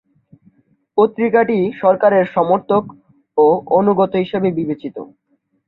পত্রিকাটি সরকারের সমর্থক ও অনুগত হিসাবে বিবেচিত।